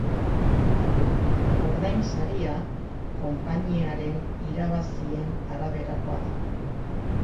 Ordainsaria konpainiaren irabazien araberakoa da.